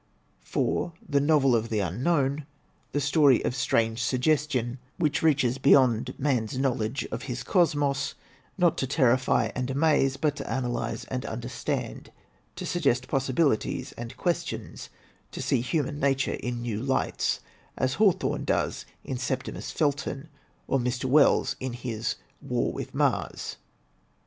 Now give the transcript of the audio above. "4. The novel of the unknown, the story of strange sug gestion, which reaches beyond man's knowledge of his cos mos, not to terrify and amaze, but to analyze and understand, to suggest possibilities and questions, to see human nature in new lights, as Hawthorne does in *Septimius Felton,' or Mr. Wells in his * War with Mars/" I.